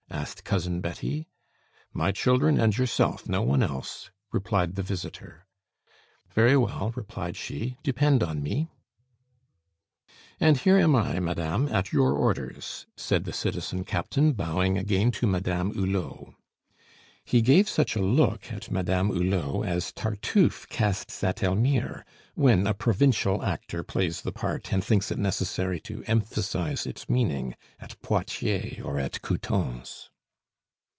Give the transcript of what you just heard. asked Cousin Betty. "My children and yourself, no one else," replied the visitor. "Very well," replied she; "depend on me." "And here am I, madame, at your orders," said the citizen captain, bowing again to Madame Hulot. He gave such a look at Madame Hulot as Tartuffe casts at Elmire when a provincial actor plays the part and thinks it necessary to emphasize its meaning at Poitiers, or at Coutances.